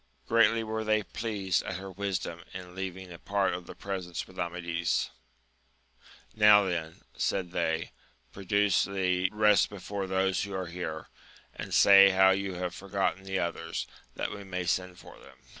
Greatly were they pleased at her wisdom in leaving a part of the presents with Amadis ; Now then, said they, produce the rest before those who are here, and say how you have forgotten the others, that we may send for them.